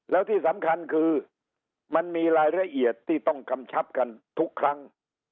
แล้วที่สำคัญคือมันมีรายละเอียดที่ต้องกำชับกันทุกครั้ง